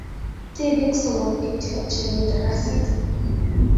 Tipik somok kityo chemi taraset.